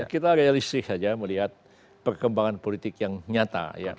kita realistis saja melihat perkembangan politik yang nyata